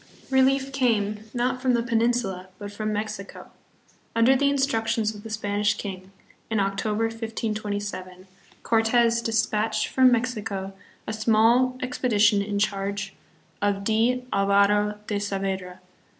Relief came, not from the Peninsula, but from Mexico. Under the instructions of the Spanish king, in Octo ber, 1527* Cortes dispatched from Mexico a small expedi tion in charge of D. Alvaro de Saavedra.